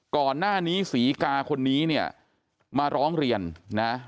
ก่อนหน้านี้ศรีกาคนนี้เนี่ยมาร้องเรียนนะ